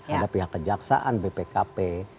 ada pihak kejaksaan bpkp